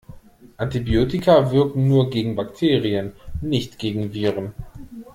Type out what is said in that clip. Antibiotika wirken nur gegen Bakterien, nicht gegen Viren.